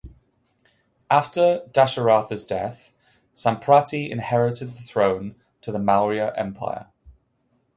After Dasharatha's death, Samprati inherited the throne of the Maurya Empire.